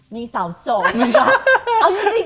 มีสาวส่อง